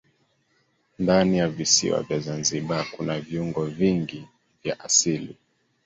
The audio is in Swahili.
Ndani ya visiwa vya zanzibar kuna viungo vingi vya asili